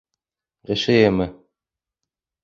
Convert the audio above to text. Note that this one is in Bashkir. — ҒШЭ-мы?